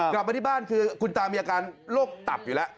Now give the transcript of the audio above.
กลับมาที่บ้านคือคุณตามีอาการโรคตับอยู่แล้ว